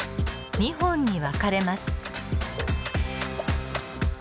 ２本に分かれます。